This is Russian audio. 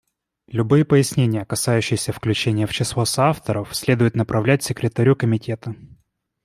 Любые пояснения, касающиеся включения в число соавторов, следует направлять Секретарю Комитета.